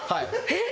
えっ？